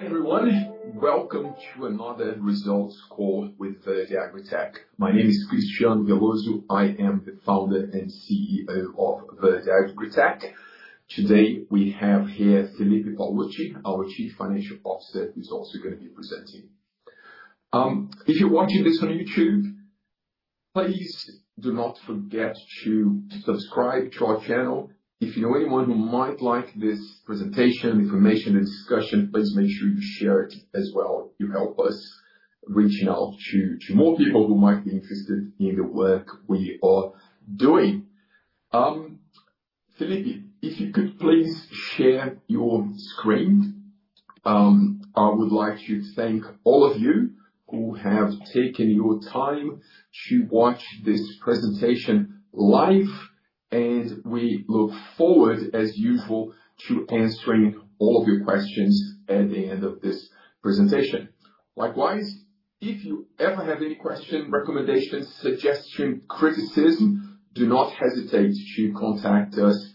Hey, everyone. Welcome to another results call with Verde AgriTech. My name is Cristiano Veloso. I am the founder and CEO of Verde AgriTech. Today, we have here Felipe Paolucci, our Chief Financial Officer, who's also gonna be presenting. If you're watching this on YouTube, please do not forget to subscribe to our channel. If you know anyone who might like this presentation, information and discussion, please make sure you share it as well. You help us reaching out to more people who might be interested in the work we are doing. Felipe, if you could please share your screen. I would like to thank all of you who have taken your time to watch this presentation live, and we look forward, as usual, to answering all of your questions at the end of this presentation. Likewise, if you ever have any questions, recommendations, suggestions, criticism, do not hesitate to contact us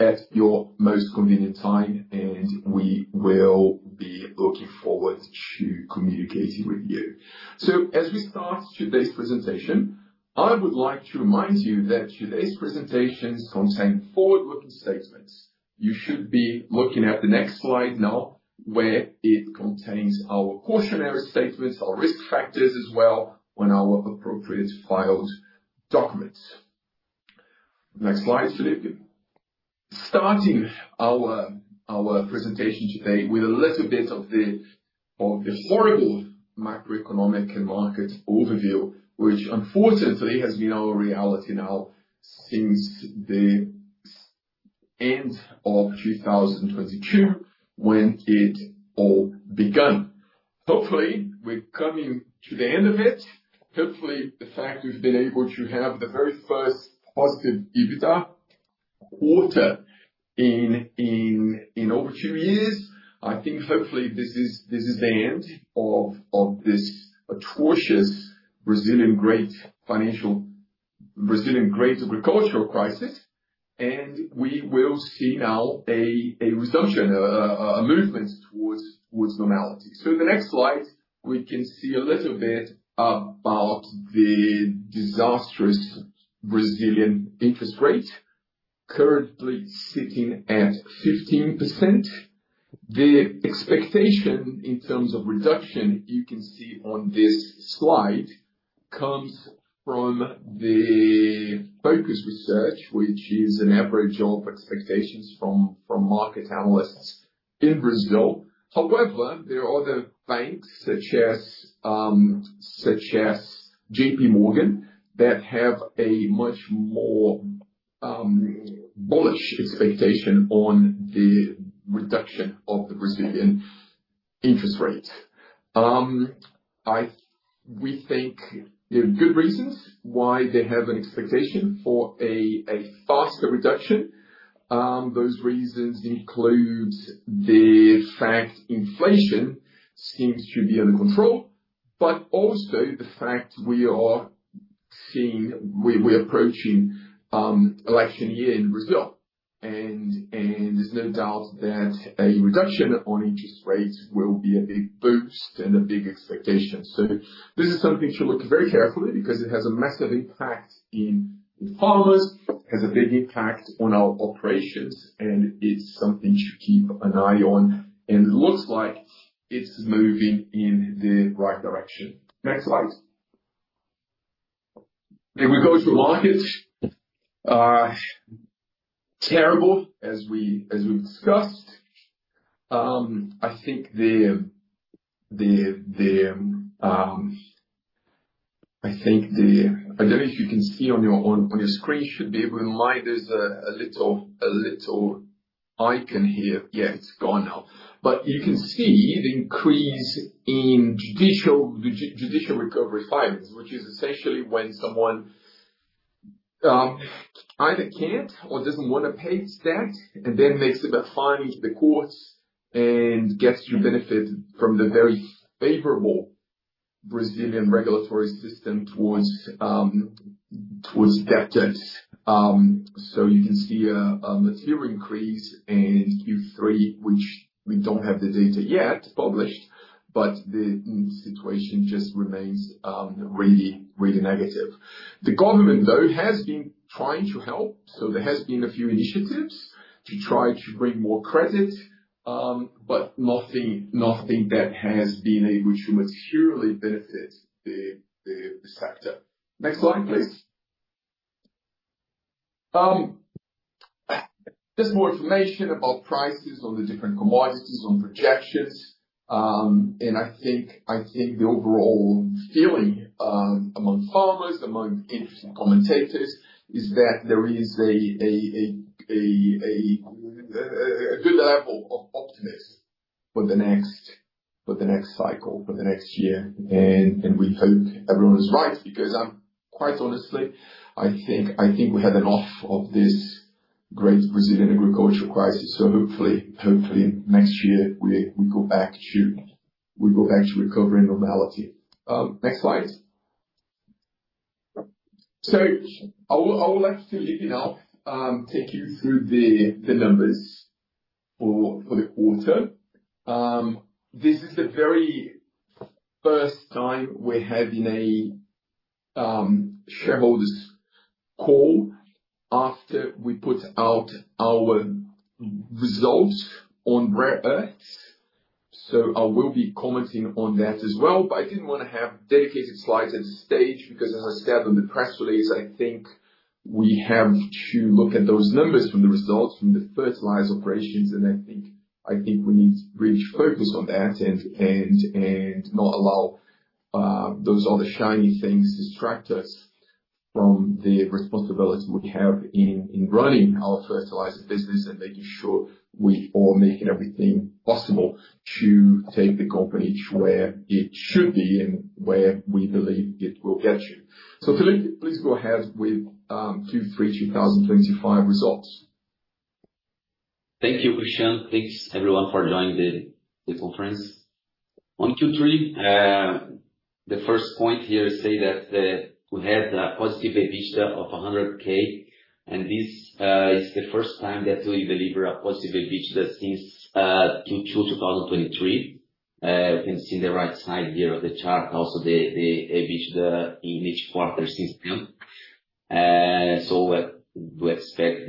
at your most convenient time, and we will be looking forward to communicating with you. As we start today's presentation, I would like to remind you that today's presentation contains forward-looking statements. You should be looking at the next slide now, where it contains our cautionary statements, our risk factors as well on our appropriate filed documents. Next slide, Felipe. Starting our presentation today with a little bit of the horrible macroeconomic and market overview, which unfortunately has been our reality now since the end of 2022 when it all begun. Hopefully, we're coming to the end of it. Hopefully, the fact we've been able to have the very first positive EBITDA quarter in over two years, I think hopefully this is the end of this atrocious Brazilian great agricultural crisis, and we will see now a movement towards normality. In the next slide, we can see a little bit about the disastrous Brazilian interest rate, currently sitting at 15%. The expectation in terms of reduction, you can see on this slide, comes from the Focus Survey, which is an average of expectations from market analysts in Brazil. However, there are other banks such as JP Morgan that have a much more bullish expectation on the reduction of the Brazilian interest rate. We think there are good reasons why they have an expectation for a faster reduction. Those reasons include the fact inflation seems to be under control, but also the fact we are seeing we're approaching election year in Brazil and there's no doubt that a reduction on interest rates will be a big boost and a big expectation. This is something to look very carefully because it has a massive impact in farmers. It has a big impact on our operations, and it's something to keep an eye on, and it looks like it's moving in the right direction. Next slide. We go to markets. Terrible, as we've discussed. I think I don't know if you can see on your own, on your screen. Should be able to. There's a little icon here. Yeah, it's gone now. You can see the increase in judicial recovery filings, which is essentially when someone either can't or doesn't wanna pay debt and then they submit filing to the courts and gets to benefit from the very favorable Brazilian regulatory system towards debtors. So you can see a material increase in Q3, which we don't have the data yet published, but the situation just remains really negative. The government, though, has been trying to help, so there has been a few initiatives to try to bring more credit, but nothing that has been able to materially benefit the sector. Next slide, please. Just more information about prices on the different commodities, on projections. I think the overall feeling among farmers, among industry commentators, is that there is a good level of optimism for the next cycle, for the next year. We hope everyone is right because, quite honestly, I think we had enough of this great Brazilian agricultural crisis. Hopefully next year we go back to recovery and normality. Next slide. I would like to leave it now, take you through the numbers for the quarter. This is the very first time we're having a shareholders call after we put out our results on rare earths. I will be commenting on that as well, but I didn't wanna have dedicated slides at this stage because as I said on the press release, I think we have to look at those numbers from the results from the fertilizer operations, and I think we need to really focus on that and not allow those other shiny things distract us from the responsibility we have in running our fertilizer business and making sure we are making everything possible to take the company where it should be and where we believe it will get to. Felipe, please go ahead with Q3 2025 results. Thank you, Cristiano. Thanks everyone for joining the conference. On Q3, the first point here says that we had a positive EBITDA of 100,000, and this is the first time that we deliver a positive EBITDA since Q2 2023. You can see the right side here of the chart also the EBITDA in each quarter since then. We expect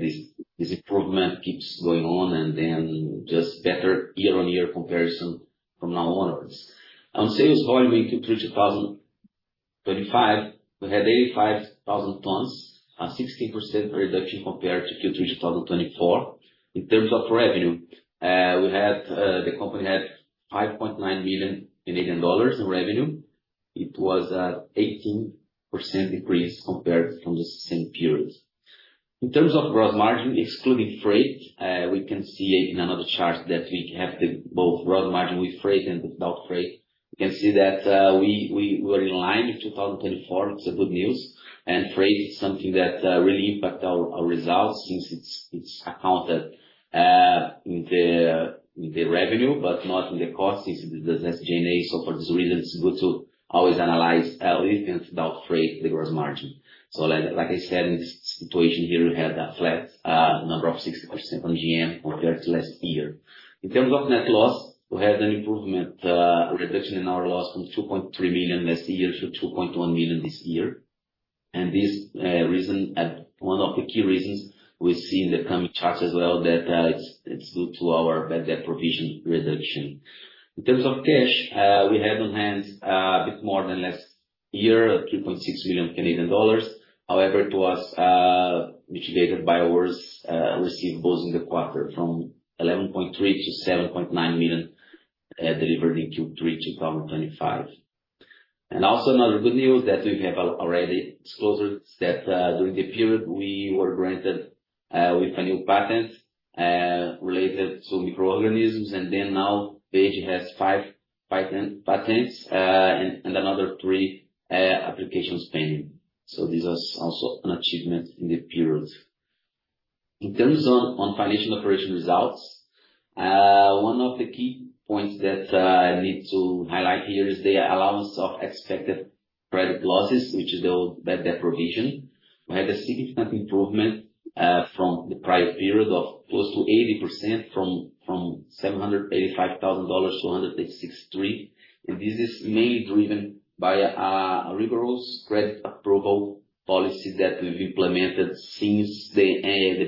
this improvement keeps going on and then just better year-on-year comparison from now onwards. On sales volume in Q3 2025, we had 85,000 tons, a 16% reduction compared to Q3 2024. In terms of revenue, the company had 5.9 million Canadian dollars in revenue. It was an 18% decrease compared to the same periods. In terms of gross margin, excluding freight, we can see in another chart that we have both gross margin with freight and without freight. You can see that we were in line with 2024. It's good news. Freight is something that really impacts our results since it's accounted in the revenue but not in the cost since it is SG&A. For this reason, it's good to always analyze with and without freight the gross margin. Like I said, in this situation here, we had a flat number of 60% on GM compared to last year. In terms of net loss, we had an improvement, reduction in our loss from 2.3 million last year to 2.1 million this year. This reason, one of the key reasons we see in the coming charts as well that it's due to our bad debt provision reduction. In terms of cash, we had on hand a bit more than last year, 3.6 million Canadian dollars. However, it was mitigated by our receivables in the quarter from 11.3 million to 7.9 million delivered in Q3 2025. Also another good news that we have already disclosed that during the period we were granted with a new patent related to microorganisms. Then now Verde has 5 patents and another 3 applications pending. So this was also an achievement in the period. In terms of financial operating results, one of the key points that I need to highlight here is the allowance of expected credit losses, which is the bad debt provision. We had a significant improvement from the prior period of close to 80% from $785,000 to $163,000. This is mainly driven by a rigorous credit approval policy that we've implemented since the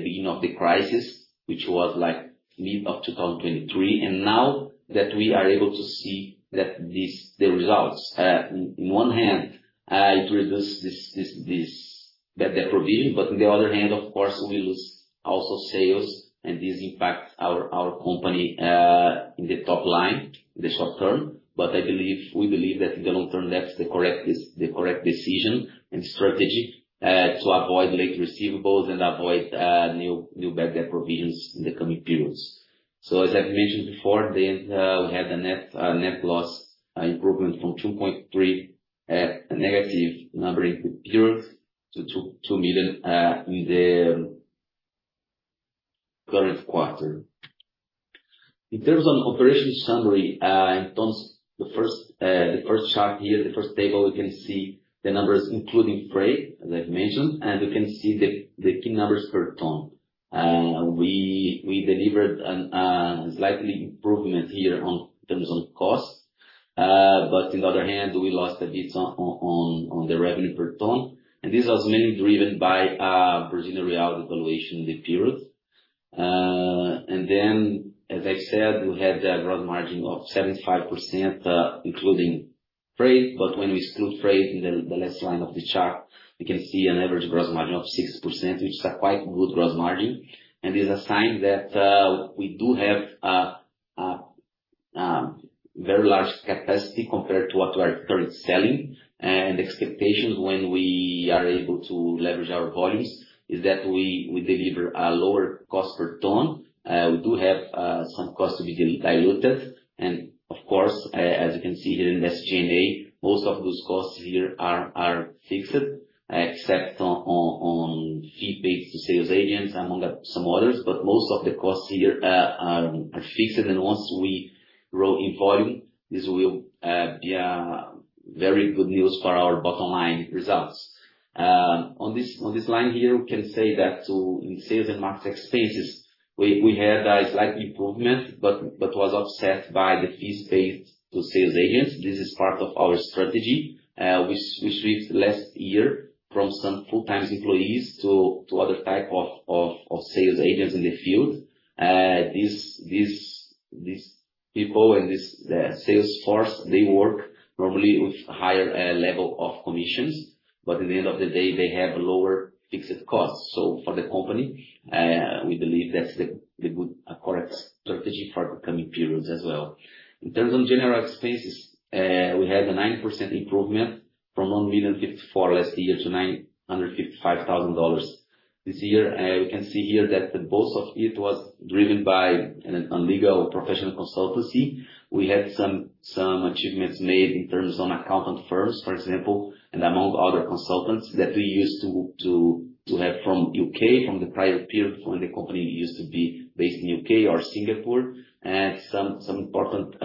beginning of the crisis, which was like mid of 2023. Now that we are able to see that these results, on the one hand, it reduces this bad debt provision, but on the other hand, of course, we lose also sales and this impacts our company in the top line in the short term. I believe we believe that in the long term, that's the correct decision and strategy to avoid late receivables and avoid new bad debt provisions in the coming periods. As I've mentioned before, we had a net loss improvement from -2.3 million in the period to -2 million in the current quarter. In terms of operational summary, in terms of the first chart here, the first table, we can see the numbers including freight, as I've mentioned, and we can see the key numbers per ton. We delivered a slight improvement here in terms of costs. On the other hand, we lost a bit on the revenue per ton, and this was mainly driven by Brazilian real devaluation in the period. As I said, we had a gross margin of 75%, including freight. When we exclude freight in the last line of the chart, we can see an average gross margin of 6%, which is a quite good gross margin. It's a sign that we do have a very large capacity compared to what we are currently selling. Expectations when we are able to leverage our volumes is that we deliver a lower cost per ton. We do have some costs to be diluted. Of course, as you can see here in SG&A, most of those costs here are fixed except for the fee paid to sales agents, among some others. Most of the costs here are fixed. Once we grow in volume, this will be very good news for our bottom line results. On this line here, we can say that in sales and marketing expenses, we had a slight improvement, but it was offset by the fees paid to sales agents. This is part of our strategy, which we did last year from some full-time employees to other type of sales agents in the field. These people and the sales force, they work normally with higher level of commissions, but at the end of the day, they have lower fixed costs. For the company, we believe that's a correct strategy for the coming periods as well. In terms of general expenses, we had a 9% improvement from $1,054,000 last year to $955,000 this year. We can see here that most of it was driven by a legal professional consultancy. We had some achievements made in terms of accountant firms, for example, and among other consultants that we used to have from the U.K., from the prior period when the company used to be based in the U.K. or Singapore. Some important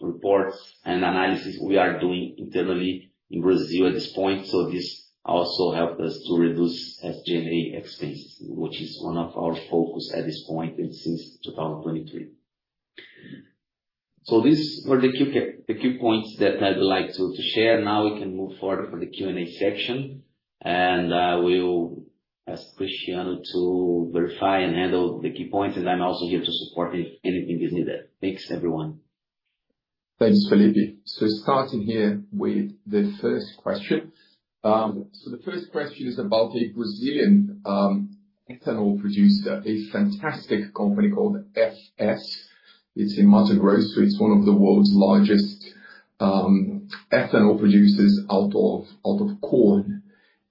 reports and analysis we are doing internally in Brazil at this point. This also helped us to reduce SG&A expenses, which is one of our focus at this point and since 2023. These were the key points that I would like to share. Now we can move forward for the Q&A section, and we'll ask Cristiano to verify and handle the key points. I'm also here to support if anything is needed. Thanks, everyone. Thanks, Felipe. Starting here with the first question. The first question is about a Brazilian ethanol producer, a fantastic company called FS. It's in Mato Grosso. It's one of the world's largest ethanol producers out of corn.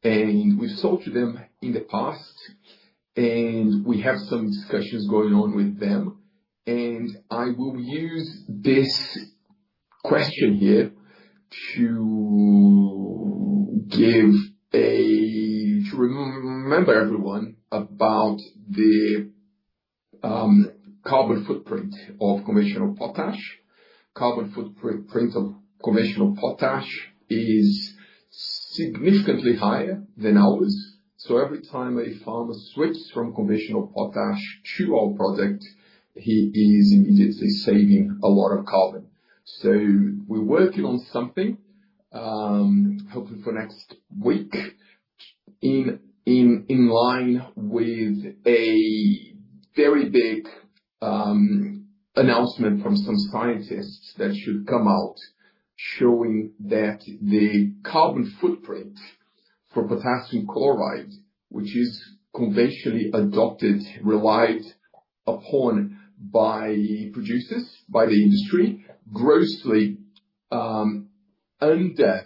We've talked to them in the past, and we have some discussions going on with them. I will use this question here to remind everyone about the carbon footprint of conventional potash. Carbon footprint of conventional potash is significantly higher than ours. Every time a farmer switches from conventional potash to our product, he is immediately saving a lot of carbon. We're working on something, hopefully for next week in line with a very big announcement from some scientists that should come out showing that the carbon footprint for potassium chloride, which is conventionally adopted, relied upon by producers, by the industry, grossly under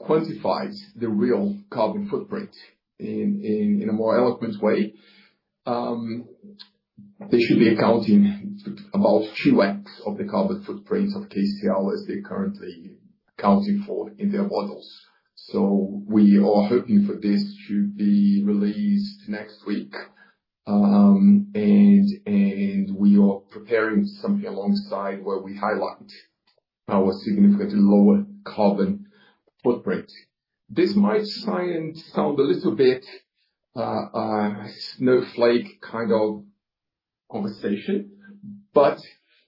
quantifies the real carbon footprint in a more eloquent way. They should be accounting about 2x of the carbon footprint of KCl as they're currently accounting for in their models. We are hoping for this to be released next week. We are preparing something alongside where we highlight our significantly lower carbon footprint. This might sound a little bit snowflake kind of conversation, but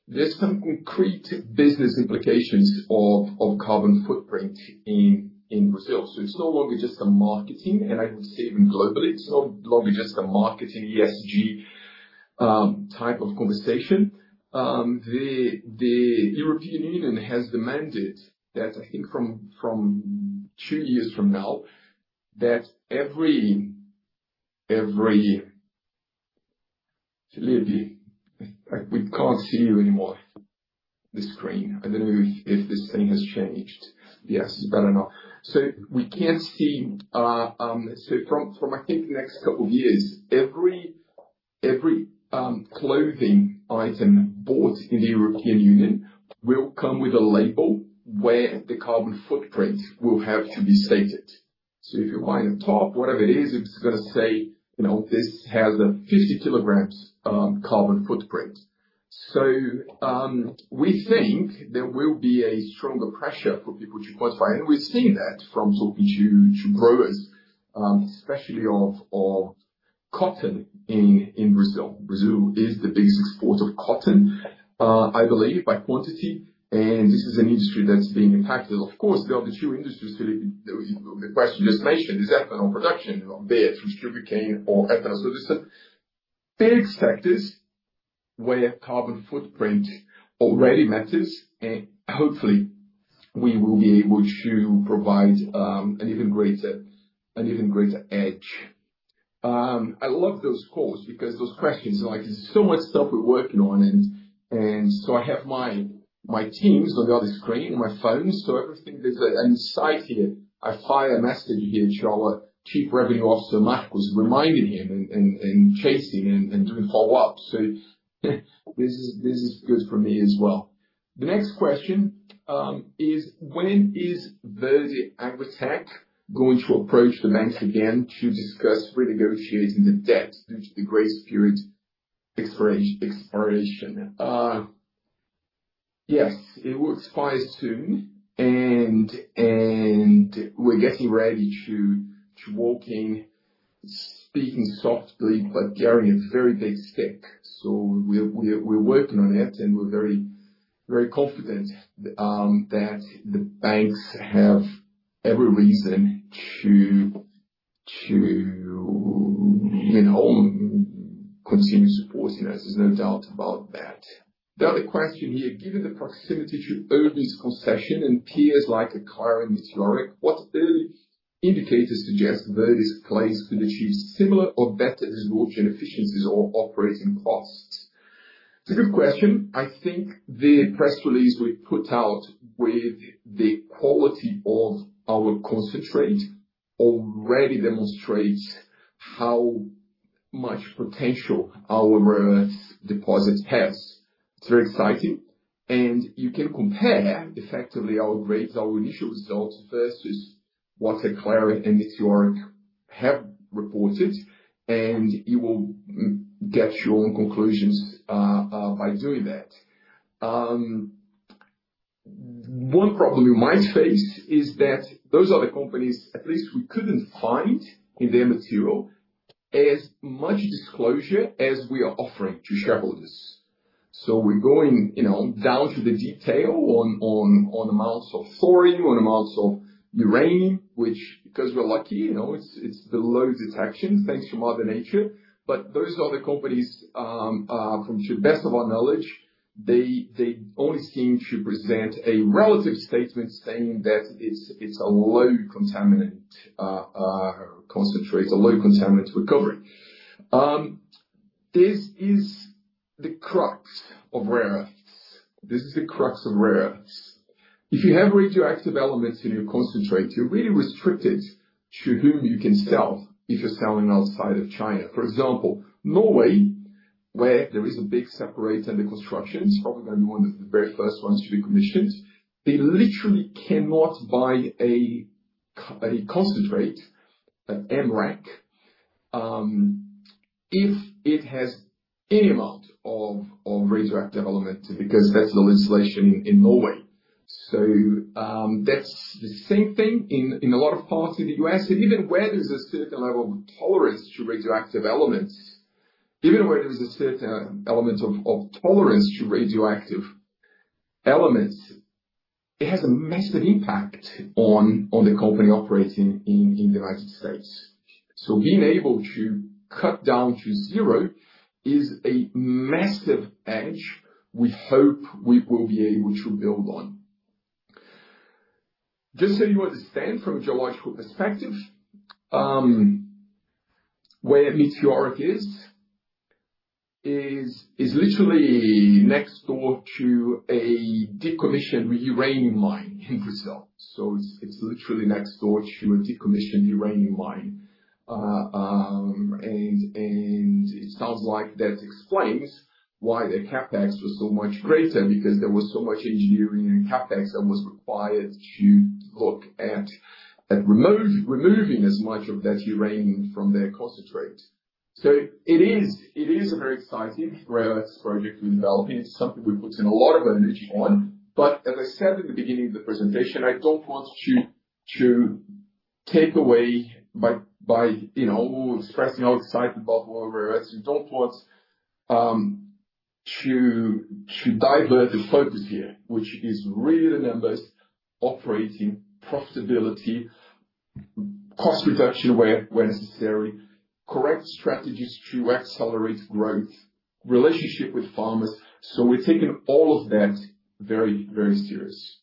there's some concrete business implications of carbon footprint in Brazil. It's no longer just a marketing, and I would say even globally, it's no longer just a marketing ESG type of conversation. The European Union has demanded that I think from two years from now, that every. Felipe, we can't see you anymore, the screen. I don't know if this thing has changed. Yes, it's better now. We can see, so from I think the next couple of years, every clothing item bought in the European Union will come with a label where the carbon footprint will have to be stated. If you're buying a top, whatever it is, it's gonna say, you know, this has a 50 kg carbon footprint. We think there will be a stronger pressure for people to quantify. We're seeing that from talking to growers, especially of cotton in Brazil. Brazil is the biggest exporter of cotton, I believe, by quantity, and this is an industry that's being impacted. Of course, there are the two industries, Felipe, the question you just mentioned is ethanol production, be it from sugarcane or ethanol synthesis. Big sectors where carbon footprint already matters, and hopefully we will be able to provide an even greater edge. I love those calls because those questions, like, there's so much stuff we're working on and so I have my teams on the other screen and my phone. So everything, there's an insight here. I fire a message here to our chief revenue officer, Mark, reminding him and chasing and doing follow-up. This is good for me as well. The next question is when is Verde AgriTech going to approach the banks again to discuss renegotiating the debt due to the grace period expiration? Yes, it will expire soon and we're getting ready to speak softly, but carry a very big stick. We're working on it and we're very confident that the banks have every reason to, you know, continue supporting us. There's no doubt about that. The other question here, given the proximity to our's concession and peers like Aclara and Meteoric, what early indicators suggest Verde is placed to achieve similar or better as gold efficiencies or operating costs? It's a good question. I think the press release we put out with the quality of our concentrate already demonstrates how much potential our deposit has. It's very exciting, and you can compare effectively our grades, our initial results versus what Aclara and Meteoric have reported, and you will get your own conclusions by doing that. One problem you might face is that those other companies, at least we couldn't find in their material, as much disclosure as we are offering to shareholders. We're going, you know, down to the detail on amounts of thorium, on amounts of uranium, which because we're lucky, you know, it's the low detection thanks to mother nature. Those other companies, from to best of our knowledge, they only seem to present a relative statement saying that it's a low contaminant concentrate, a low contaminant recovery. This is the crux of rare earths. If you have radioactive elements in your concentrate, you're really restricted to whom you can sell if you're selling outside of China. For example, Norway, where there is a big separator under construction, it's probably gonna be one of the very first ones to be commissioned. They literally cannot buy a concentrate, an MREC, if it has any amount of radioactive element, because that's the legislation in Norway. That's the same thing in a lot of parts of the U.S., and even where there's a certain level of tolerance to radioactive elements. Even where there is a certain element of tolerance to radioactive elements, it has a massive impact on the company operating in the United States. Being able to cut down to zero is a massive edge we hope we will be able to build on. Just so you understand from a geological perspective, where Meteoric is literally next door to a decommissioned uranium mine in Brazil. It's literally next door to a decommissioned uranium mine. And it sounds like that explains why their CapEx was so much greater because there was so much engineering and CapEx that was required to look at removing as much of that uranium from their concentrate. It is a very exciting rare earths project we're developing. It's something we put in a lot of energy on. As I said in the beginning of the presentation, I don't want to take away by you know expressing how excited about rare earths. We don't want to divert the focus here, which is really the numbers, operating profitability, cost reduction where necessary, correct strategies to accelerate growth, relationship with farmers. We're taking all of that very, very serious.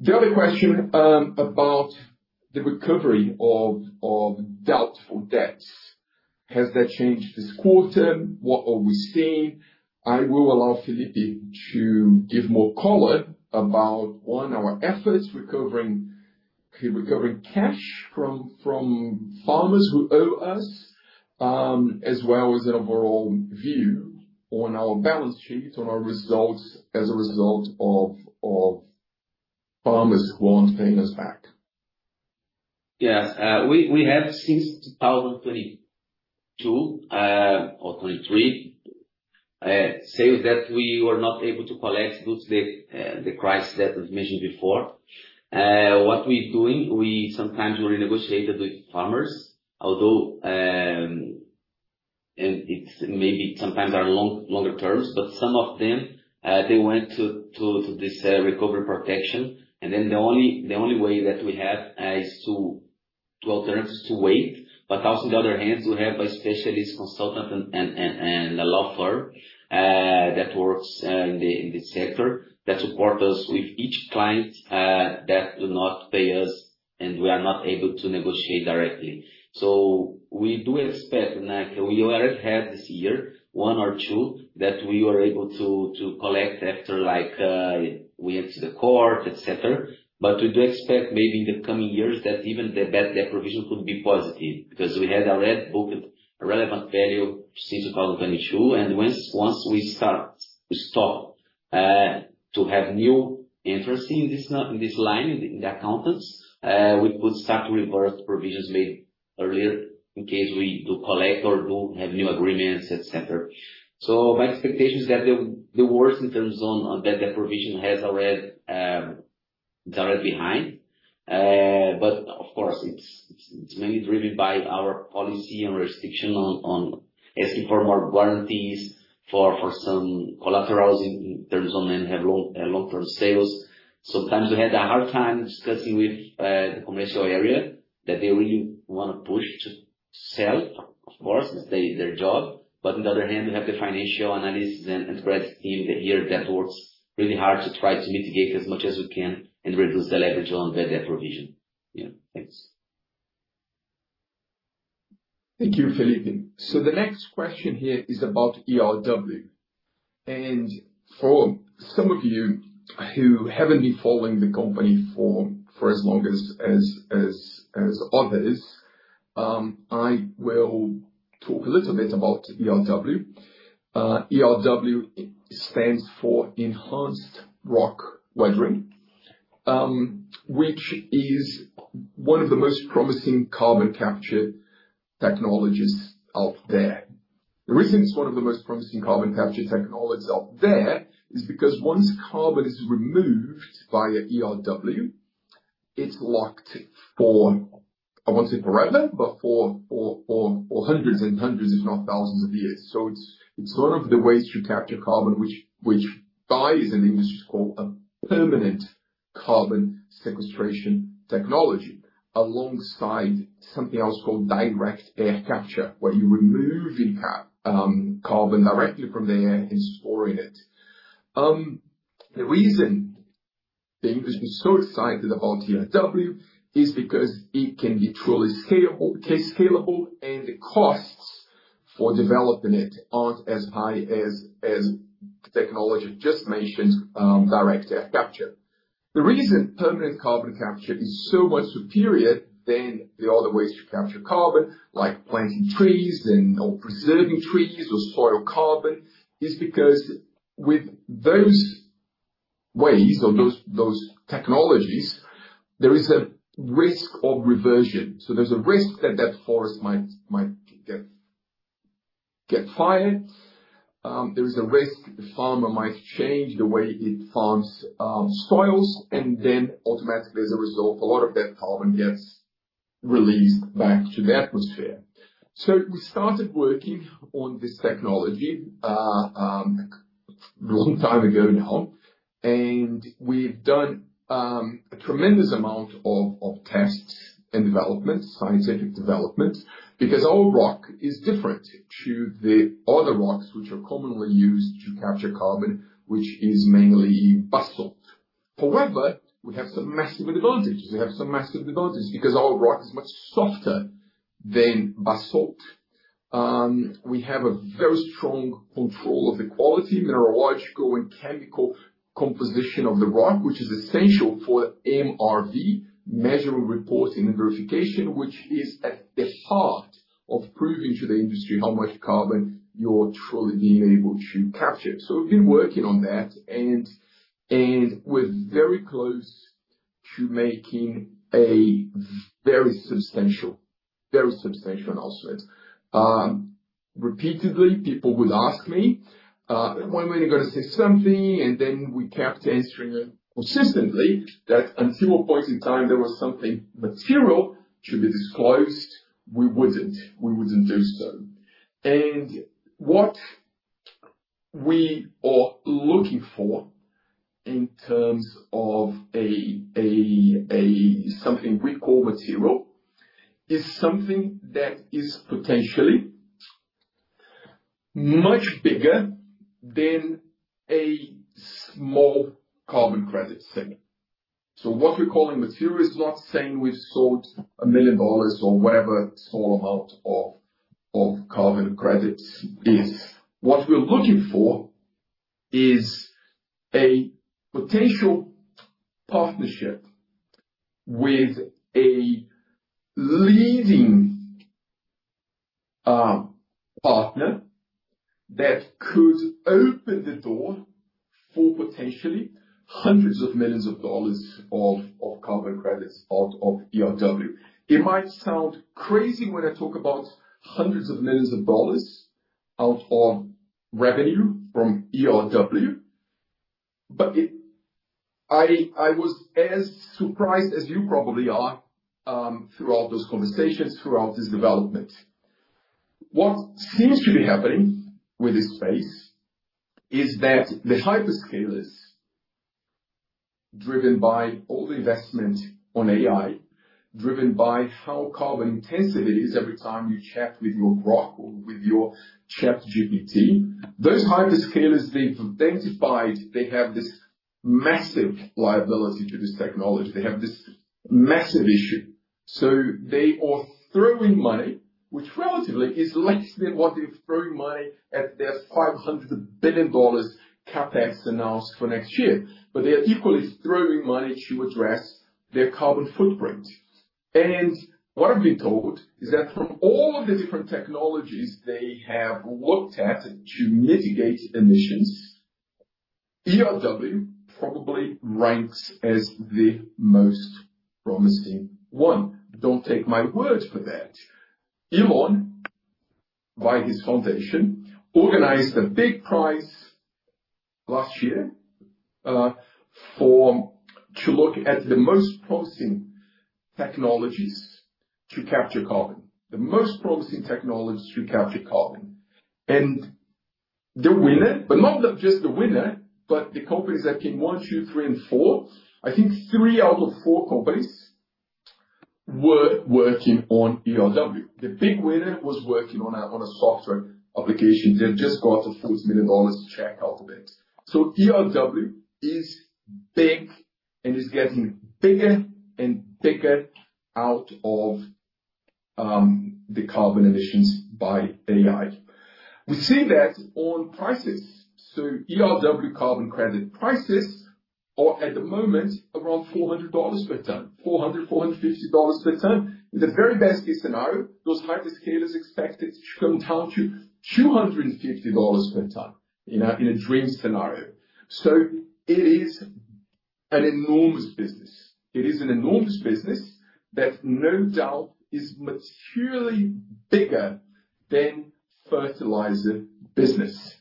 The other question about the recovery of doubtful debts. Has that changed this quarter? What are we seeing? I will allow Felipe to give more color about one, our efforts recovering cash from farmers who owe us, as well as an overall view on our balance sheet, on our results as a result of farmers who aren't paying us back. Yes. We have since 2022 or 2023 sales that we were not able to collect due to the crisis that was mentioned before. What we're doing, we sometimes renegotiated with farmers although, and it's maybe sometimes longer terms, but some of them they went to this recovery protection. The only way that we have is two alternatives: to wait. Also on the other hand, we have a specialist consultant and a law firm that works in this sector that support us with each client that do not pay us, and we are not able to negotiate directly. We do expect, like we already had this year, one or two that we were able to collect after we went to the court, etc. We do expect maybe in the coming years that even the bad debt provision could be positive, because we had already booked a relevant value since 2022. Once we stop to have new interest in this line in the accounts, we could start to reverse provisions made earlier in case we do collect or do have new agreements, etc. My expectation is that the worst in terms of that provision is already behind. Of course it's mainly driven by our policy and restriction on asking for more guarantees for some collaterals in terms of when you have long-term sales. Sometimes we had a hard time discussing with the commercial area that they really wanna push to sell. Of course, it's their job. On the other hand, we have the financial analysts and credit team here that works really hard to try to mitigate as much as we can and reduce the leverage on that debt provision. Yeah. Thanks. Thank you, Felipe. The next question here is about ERW. For some of you who haven't been following the company for as long as others, I will talk a little bit about ERW. ERW stands for Enhanced Rock Weathering, which is one of the most promising carbon capture technologies out there. The reason it's one of the most promising carbon capture technologies out there is because once carbon is removed via ERW, it's locked for, I won't say forever, but for hundreds and hundreds if not thousands of years. It's one of the ways to capture carbon which by the industry is called a permanent carbon sequestration technology, alongside something else called direct air capture, where you're removing carbon directly from the air and storing it. The reason the industry is so excited about ERW is because it can be truly scalable, and the costs for developing it aren't as high as the technology just mentioned, direct air capture. The reason permanent carbon capture is so much superior than the other ways to capture carbon, like planting trees and/or preserving trees or soil carbon, is because with those ways or those technologies, there is a risk of reversion. There's a risk that forest might get fired. There is a risk the farmer might change the way it farms soils, and then automatically as a result, a lot of that carbon gets released back to the atmosphere. We started working on this technology a long time ago now, and we've done a tremendous amount of tests and developments, scientific developments, because our rock is different to the other rocks which are commonly used to capture carbon, which is mainly basalt. However, we have some massive advantages because our rock is much softer than basalt. We have a very strong control of the quality, mineralogical and chemical composition of the rock which is essential for MRV, Measuring, Reporting and Verification, which is at the heart of proving to the industry how much carbon you're truly being able to capture. We've been working on that, and we're very close to making a very substantial announcement. Repeatedly people would ask me, "When are you gonna say something?" We kept answering them consistently that until a point in time there was something material to be disclosed, we wouldn't do so. What we are looking for in terms of a something we call material is something that is potentially much bigger than a small carbon credit sale. What we're calling material is not saying we've sold $1 million or whatever small amount of carbon credits is. What we're looking for is a potential partnership with a leading partner that could open the door for potentially hundreds of millions of dollars of carbon credits out of ERW. It might sound crazy when I talk about hundreds of millions of dollars out of revenue from ERW, but I was as surprised as you probably are throughout those conversations, throughout this development. What seems to be happening with this space is that the hyperscalers, driven by all the investment on AI, driven by how carbon intensive it is every time you chat with your Grok or with your ChatGPT, those hyperscalers, they've identified they have this massive liability to this technology. They have this massive issue. So they are throwing money, which relatively is less than what they're throwing money at their $500 billion CapEx announced for next year. They're equally throwing money to address their carbon footprint. What I've been told is that from all of the different technologies they have looked at to mitigate emissions, ERW probably ranks as the most promising one. Don't take my word for that. Elon, by his foundation, organized a big prize last year to look at the most promising technologies to capture carbon. The winner, but not just the winner, but the companies that came one, two, three and four, I think three out of four companies were working on ERW. The big winner was working on a software application. They've just got a $40 million check out of it. ERW is big and is getting bigger and bigger out of the carbon emissions by AI. We see that on prices. ERW carbon credit prices are at the moment around $400 per ton. $400-$450 per ton. In the very best case scenario, those hyperscalers expected to come down to $250 per ton in a dream scenario. It is an enormous business. It is an enormous business that no doubt is materially bigger than fertilizer business.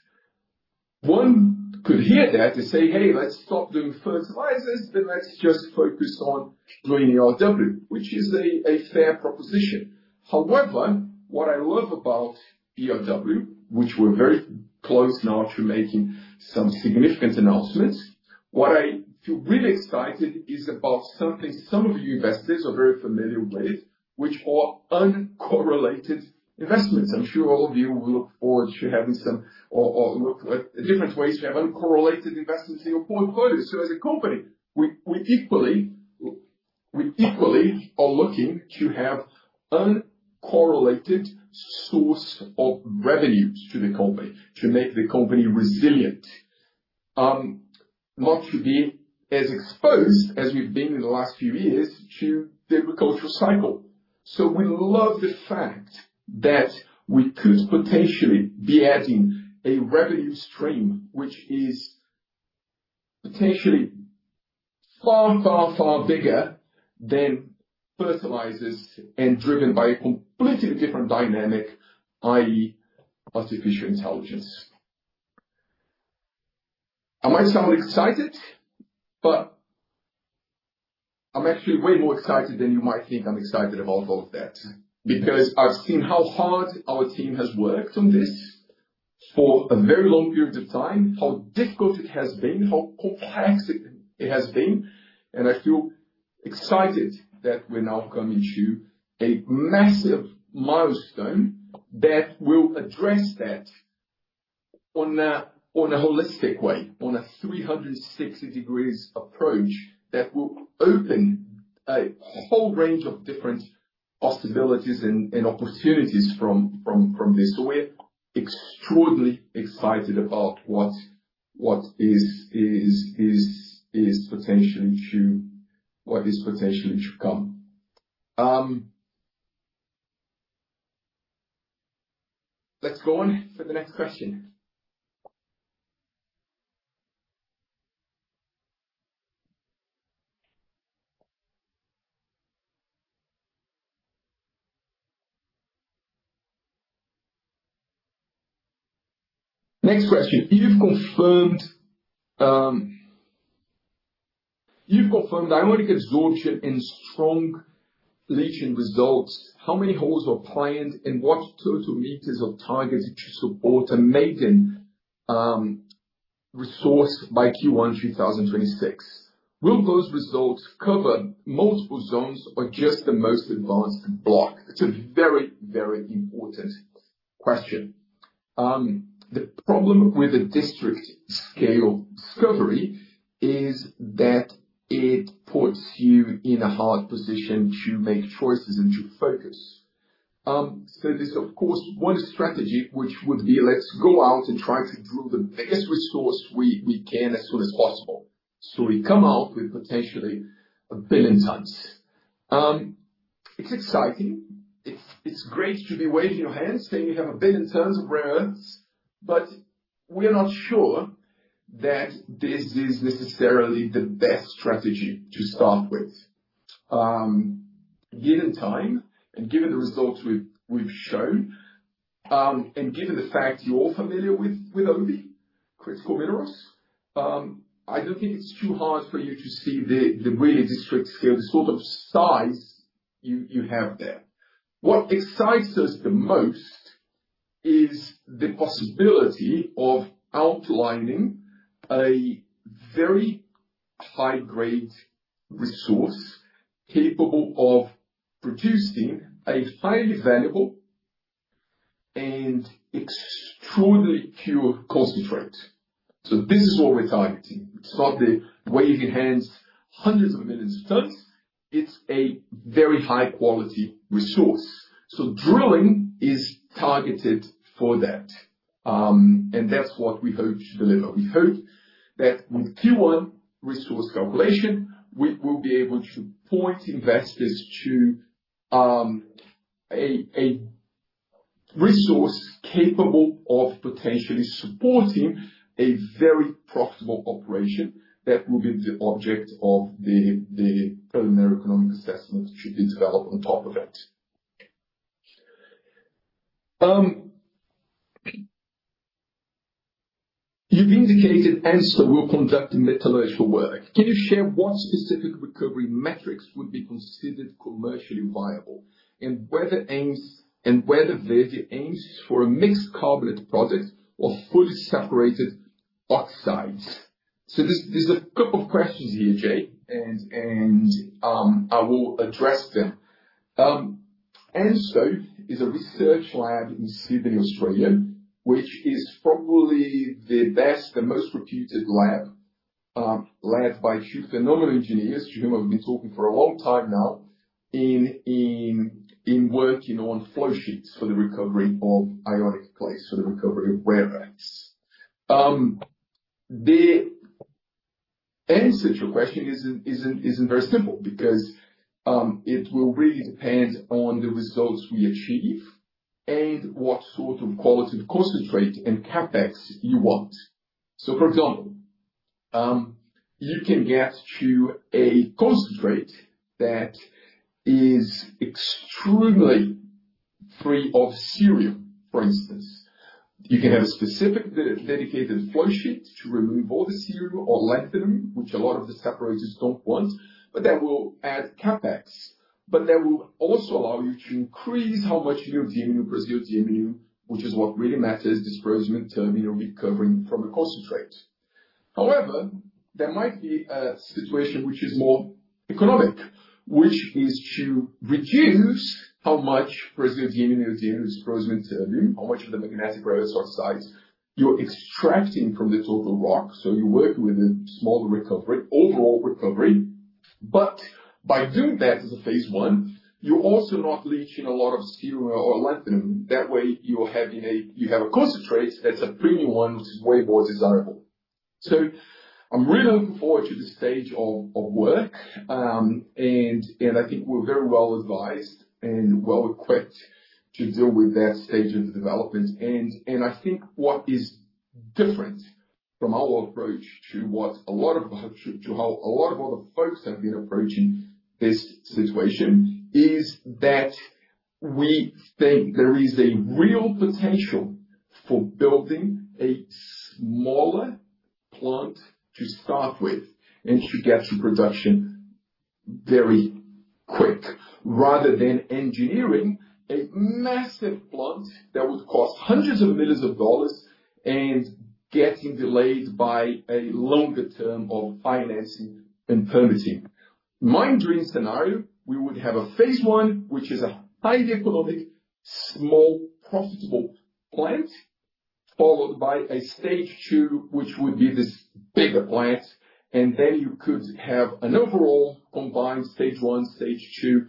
One could hear that and say, "Hey, let's stop doing fertilizers, then let's just focus on doing ERW," which is a fair proposition. However, what I love about ERW, which we're very close now to making some significant announcements, what I feel really excited is about something some of you investors are very familiar with, which are uncorrelated investments. I'm sure all of you will look forward to look at different ways to have uncorrelated investments in your portfolio. As a company, we equally are looking to have uncorrelated source of revenues to the company to make the company resilient. Not to be as exposed as we've been in the last few years to the agricultural cycle. We love the fact that we could potentially be adding a revenue stream, which is potentially far bigger than fertilizers and driven by a completely different dynamic, i.e. artificial intelligence. I might sound excited, but I'm actually way more excited than you might think I'm excited about all of that, because I've seen how hard our team has worked on this for a very long period of time, how difficult it has been, how complex it has been, and I feel excited that we're now coming to a massive milestone that will address that on a holistic way, on a 360-degree approach that will open a whole range of different possibilities and opportunities from this. We're extraordinarily excited about what is potentially to come. Let's go on to the next question. You've confirmed dynamic absorption in strong leaching results. How many holes are planned and what total meters of targets do you support a maiden resource by Q1 2026? Will those results cover multiple zones or just the most advanced block? It's a very, very important question. The problem with a district scale discovery is that it puts you in a hard position to make choices and to focus. There's of course one strategy which would be, let's go out and try to drill the biggest resource we can as soon as possible. We come out with potentially 1 billion tons. It's exciting. It's great to be waving your hands saying you have 1 billion tons of rare earths, but we're not sure that this is necessarily the best strategy to start with. Given time and given the results we've shown, and given the fact you're familiar with Oby Critical Minerals, I don't think it's too hard for you to see the really district-scale, the sort of size you have there. What excites us the most is the possibility of outlining a very high-grade resource capable of producing a highly valuable and extremely pure concentrate. This is what we're targeting. It's not the hand-waving hundreds of millions of tons. It's a very high-quality resource. Drilling is targeted for that. That's what we hope to deliver. We hope that with Q1 resource calculation, we will be able to point investors to a resource capable of potentially supporting a very profitable operation. That will be the object of the preliminary economic assessment should be developed on top of it. You've indicated ANSTO will conduct metallurgical work. Can you share what specific recovery metrics would be considered commercially viable and whether Verde aims for a mixed carbonate product or fully separated oxides?" There's a couple of questions here, Jay, and I will address them. ANSTO is a research lab in Sydney, Australia, which is probably the best and most reputed lab, led by two phenomenal engineers. Jim and I have been talking for a long time now in working on flow sheets for the recovery of ionic clays, for the recovery of rare earths. The answer to your question isn't very simple because it will really depend on the results we achieve and what sort of quality of concentrate and CapEx you want. For example, you can get to a concentrate that is extremely free of cerium, for instance. You can have a specific dedicated flow sheet to remove all the cerium or lanthanum, which a lot of the separators don't want. That will add CapEx, that will also allow you to increase how much neodymium, praseodymium, which is what really matters, dysprosium and terbium you're recovering from a concentrate. However, there might be a situation which is more economic, which is to reduce how much praseodymium, neodymium, dysprosium, and terbium, how much of the magnetic rare earth oxides you're extracting from the total rock. You work with a smaller recovery, overall recovery. By doing that as a phase one, you're also not leaching a lot of cerium or lanthanum. That way, you have a concentrate that's a premium one, which is way more desirable. I'm really looking forward to this stage of work. I think we're very well advised and well equipped to deal with that stage of the development. I think what is different from our approach to how a lot of other folks have been approaching this situation is that we think there is a real potential for building a smaller plant to start with and to get to production very quick, rather than engineering a massive plant that would cost hundreds of millions of dollars and getting delayed by a longer term of financing and permitting. My dream scenario, we would have a phase 1, which is a highly economic, small, profitable plant, followed by a stage 2, which would be this bigger plant, and then you could have an overall combined stage 1, stage 2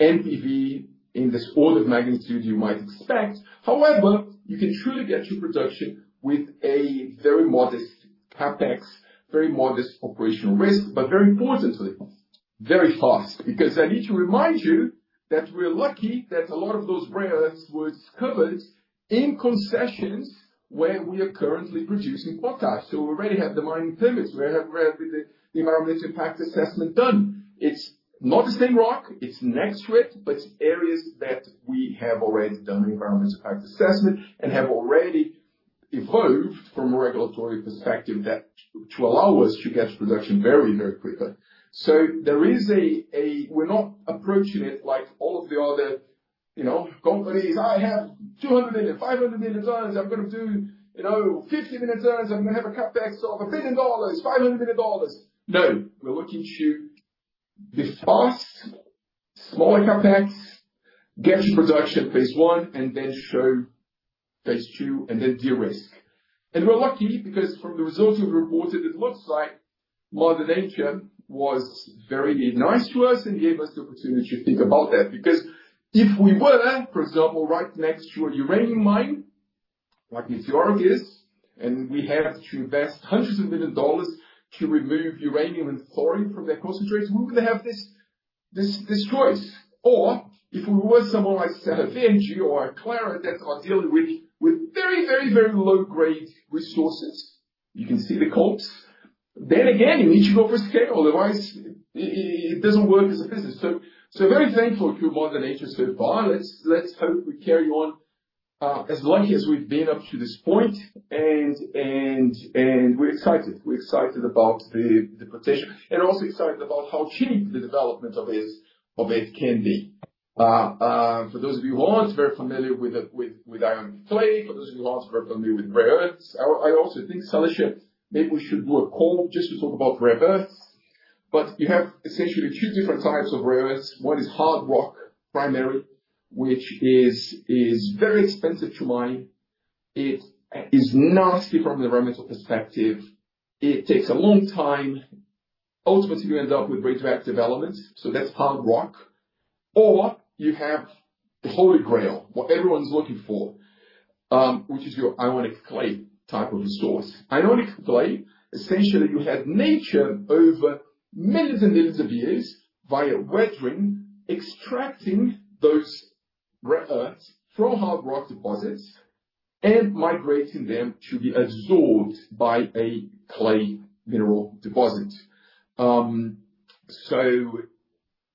NPV in this order of magnitude you might expect. However, you can truly get to production with a very modest CapEx, very modest operational risk, but very importantly, very fast. Because I need to remind you that we're lucky that a lot of those rare earths were discovered in concessions where we are currently producing potash. We already have the mining permits. We have the environmental impact assessment done. It's not the same rock, it's next to it, but areas that we have already done an environmental impact assessment and have already approved from a regulatory perspective that allows us to get to production very, very quickly. There is a-- we're not approaching it like all of the other, you know, companies. "I have 200 million, 500 million tons. I'm gonna do, you know, 50 million tons. I'm gonna have a CapEx of $1 billion, $500 million." No, we're looking to be fast, smaller CapEx, get to production phase 1, and then show phase 2 and then de-risk. We're lucky because from the results we've reported, it looks like Mother Nature was very nice to us and gave us the opportunity to think about that. Because if we were, for example, right next to a uranium mine, like Meteoric is, and we have to invest $hundreds of millions to remove uranium and thorium from that concentrate, we wouldn't have this choice. Or if we were someone like Serra Verde or Aclara that are dealing with very low grade resources, you can see the quotes, then again, you need to go for scale, otherwise it doesn't work as a business. Very thankful to Mother Nature so far. Let's hope we carry on as lucky as we've been up to this point. We're excited. We're excited about the potential and also excited about how cheap the development of it can be. For those of you who aren't very familiar with ionic clay, for those of you who aren't very familiar with rare earths, I also think, Salisha, maybe we should do a call just to talk about rare earths. You have essentially two different types of rare earths. One is hard rock, primary, which is very expensive to mine. It is nasty from the environmental perspective. It takes a long time. Ultimately, you end up with radioactive elements. That's hard rock. You have the holy grail, what everyone's looking for, which is your ionic clay type of resource. Ionic clay, essentially, you have nature over millions and millions of years via weathering, extracting those rare earths from hard rock deposits and migrating them to be absorbed by a clay mineral deposit.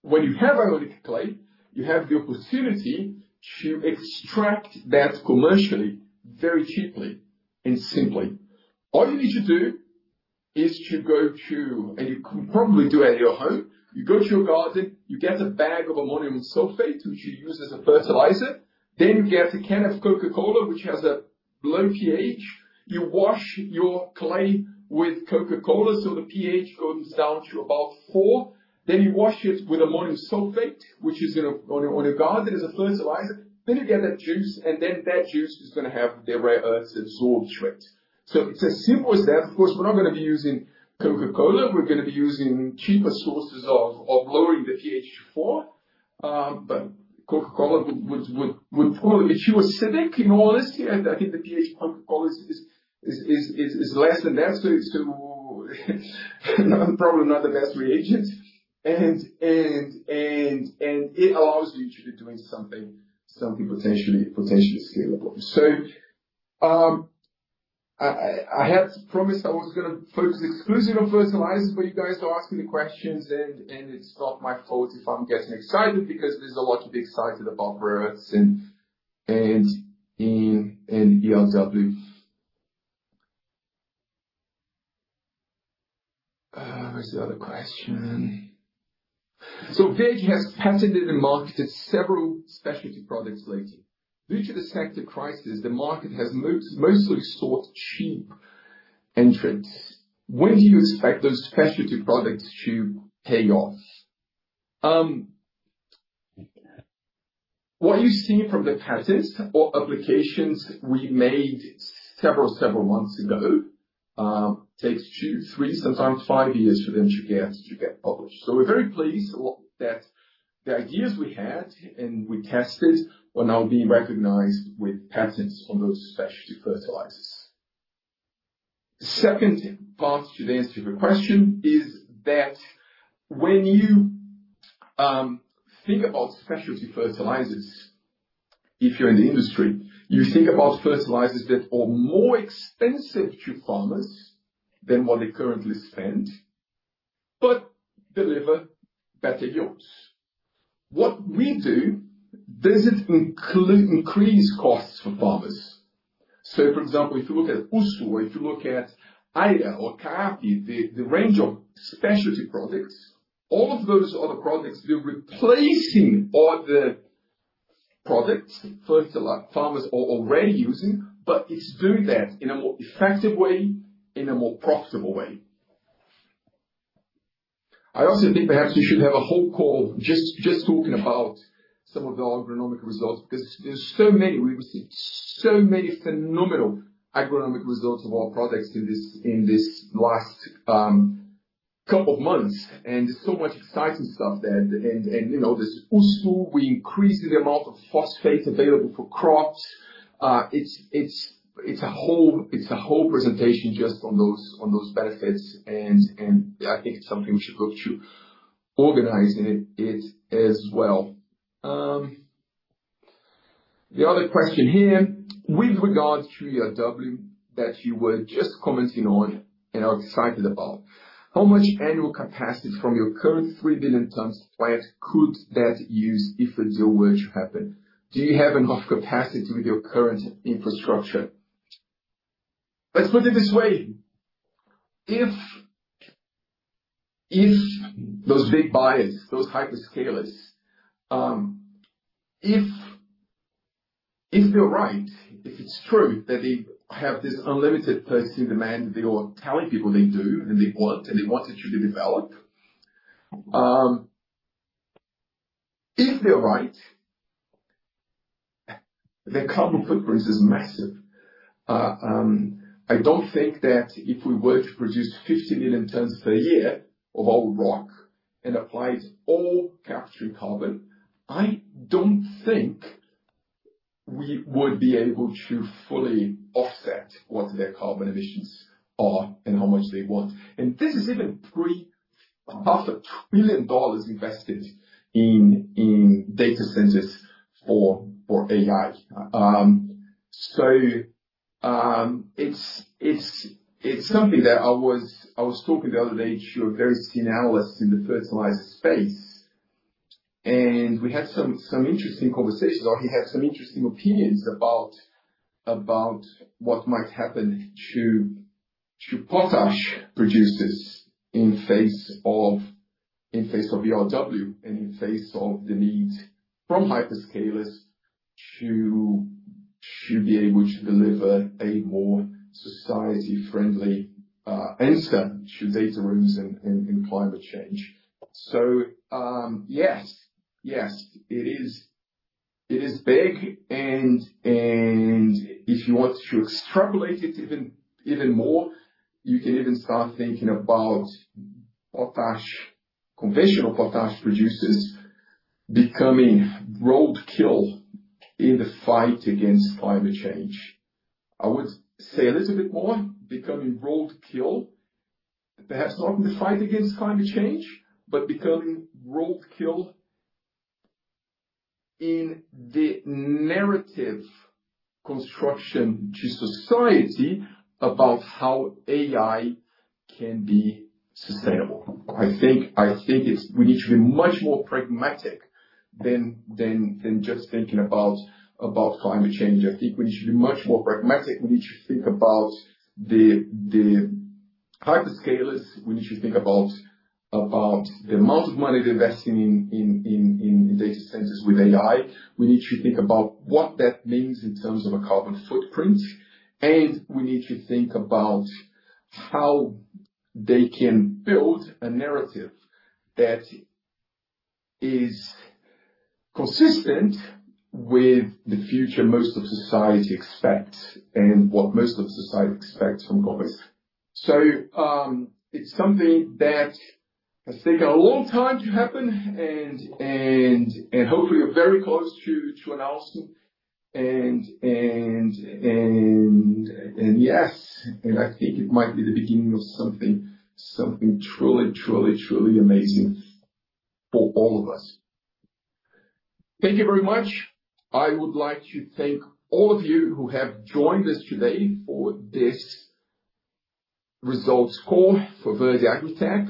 When you have ionic clay, you have the opportunity to extract that commercially very cheaply and simply. All you need to do is to go to. You can probably do it at your home. You go to your garden, you get a bag of ammonium sulfate, which you use as a fertilizer. You get a can of Coca-Cola, which has a low pH. You wash your clay with Coca-Cola, so the pH goes down to about 4. You wash it with ammonium sulfate, which is a fertilizer on a garden. You get that juice, and that juice is gonna have the rare earths absorbed to it. It's as simple as that. Of course, we're not gonna be using Coca-Cola. We're gonna be using cheaper sources of lowering the pH to 4. Coca-Cola would probably. It's too acidic, in all honesty. I think the pH of Coca-Cola is less than that, so it's probably not the best reagent. It allows you to be doing something potentially scalable. I had promised I was gonna focus exclusively on fertilizers, but you guys are asking the questions and it's not my fault if I'm getting excited because there's a lot to be excited about rare earths and ERW. Where's the other question? "Verde has patented and marketed several specialty products lately. Due to the sector crisis, the market has mostly sought cheap entrants. When do you expect those specialty products to pay off? What you see from the patents or applications we made several months ago takes two, three, sometimes five years for them to get published. We're very pleased that the ideas we had and we tested are now being recognized with patents on those specialty fertilizers. Second part to answer your question is that when you think about specialty fertilizers, if you're in the industry, you think about fertilizers that are more expensive to farmers than what they currently spend but deliver better yields. What we do doesn't increase costs for farmers. For example, if you look at Usu or if you look at Aya or Caapi, the range of specialty products, all of those are the products we're replacing other products farmers are already using, but it's doing that in a more effective way, in a more profitable way. I also think perhaps we should have a whole call just talking about some of the agronomic results, because there are so many. We've received so many phenomenal agronomic results of our products in this last couple of months, and there's so much exciting stuff that you know, this Usu, we increased the amount of phosphate available for crops. It's a whole presentation just on those benefits, and I think it's something we should look to organize it as well. The other question here, "With regard to your ERW that you were just commenting on and are excited about, how much annual capacity from your current 3 billion tons of glauconite could that use if a deal were to happen? Do you have enough capacity with your current infrastructure?" Let's put it this way. If those big buyers, those hyperscalers, if they're right, if it's true that they have this unlimited thirsty demand they are telling people they do, and they want it to be developed, if they're right, the carbon footprint is massive. I don't think that if we were to produce 50 million tons a year of our rock and apply it all to capture carbon, I don't think we would be able to fully offset what their carbon emissions are and how much they want. This is even $3.5 trillion invested in data centers for AI. It's something that I was talking the other day to a very senior analyst in the fertilizer space, and we had some interesting conversations, or he had some interesting opinions about what might happen to potash producers in face of ERW and in face of the need from hyperscalers to be able to deliver a more society-friendly answer to data centers in climate change. It is big, and if you want to extrapolate it even more, you can even start thinking about potash, conventional potash producers becoming roadkill in the fight against climate change. I would say a little bit more, becoming roadkill, perhaps not in the fight against climate change, but becoming roadkill in the narrative construction to society about how AI can be sustainable. I think it's we need to be much more pragmatic than just thinking about climate change. I think we need to be much more pragmatic. We need to think about the hyperscalers. We need to think about the amount of money they're investing in data centers with AI. We need to think about what that means in terms of a carbon footprint, and we need to think about how they can build a narrative that is consistent with the future most of society expects and what most of society expects from companies. It's something that has taken a long time to happen and hopefully we're very close to announcing and yes, and I think it might be the beginning of something truly amazing for all of us. Thank you very much. I would like to thank all of you who have joined us today for this results call for Verde AgriTech.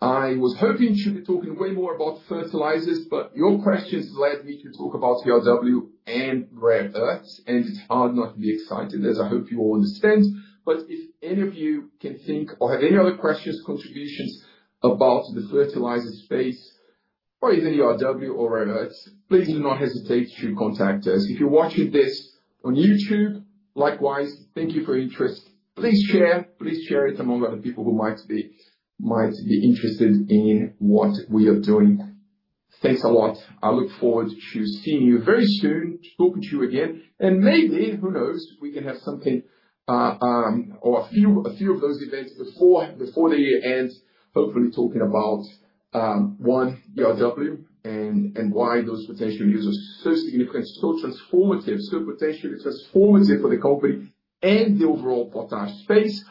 I was hoping to be talking way more about fertilizers, but your questions led me to talk about ERW and rare earths, and it's hard not to be excited, as I hope you all understand. If any of you can think or have any other questions, contributions about the fertilizer space or even ERW or rare earths, please do not hesitate to contact us. If you're watching this on YouTube, likewise, thank you for your interest. Please share it among other people who might be interested in what we are doing. Thanks a lot. I look forward to seeing you very soon, talking to you again, and maybe, who knows, we can have something or a few of those events before the year ends, hopefully talking about ERW and why those potential users are so significant, so transformative, so potentially transformative for the company and the overall potash space.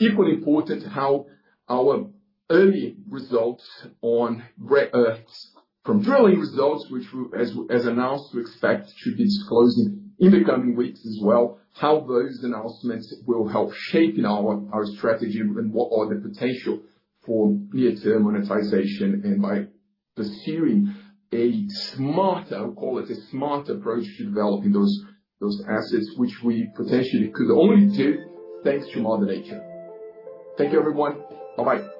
Equally important, how our early results on rare earths from drilling results, which we, as announced, expect to be disclosing in the coming weeks as well, how those announcements will help shaping our strategy and what the potential for near-term monetization and by pursuing a smart, I would call it a smart approach to developing those assets which we potentially could only do thanks to mother nature. Thank you, everyone. Bye-bye.